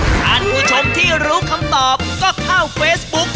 ท่านผู้ชมที่รู้คำตอบก็เข้าเฟซบุ๊ก